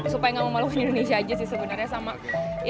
supaya nggak memalukan indonesia aja sih sebenarnya